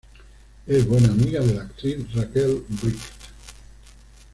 Es buena amiga de la actriz Rachel Bright.